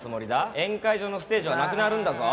宴会場のステージはなくなるんだぞ。